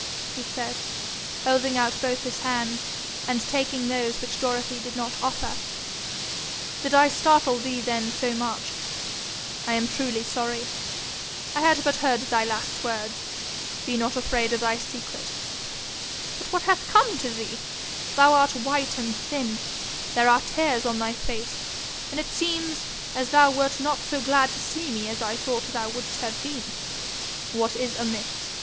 he said, holding out both his hands, and taking those which Dorothy did not offer 'did I startle thee then so much? I am truly sorry. I heard but thy last words; be not afraid of thy secret. But what hath come to thee? Thou art white and thin, there are tears on thy face, and it seems as thou wert not so glad to see me as I thought thou wouldst have been. What is amiss?